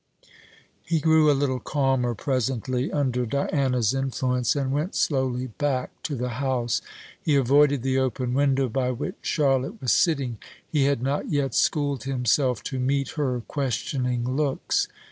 He grew a little calmer presently under Diana's influence, and went slowly back to the house. He avoided the open window by which Charlotte was sitting. He had not yet schooled himself to meet her questioning looks.